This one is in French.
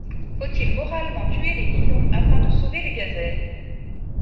Faut-il moralement tuer les lions afin de sauver les gazelles?